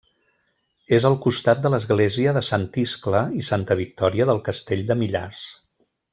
És al costat de l'església de Sant Iscle i Santa Victòria del castell de Millars.